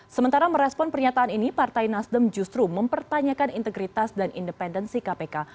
sementara merespon pernyataan ini partai nasdem justru mempertanyakan integritas dan independensi kpk